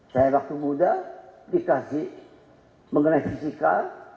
saya waktu muda dikasih mengenai fisika